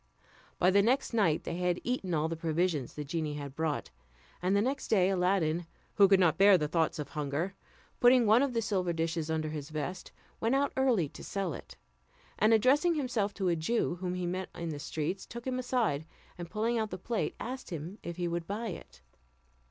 By the next night they had eaten all the provisions the genie had brought; and the next day Aladdin, who could not bear the thoughts of hunger, putting one of the silver dishes tinder his vest, went out early to sell it, and addressing himself to a Jew whom he met in the streets, took him aside, and pulling out the plate, asked him if he would buy it.